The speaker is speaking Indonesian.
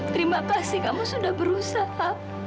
terima kasih kamu sudah berusaha